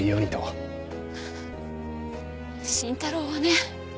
伸太郎はね